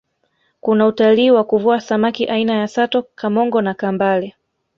kuna utalii wa kuvua samaki aina ya sato kamongo na kambale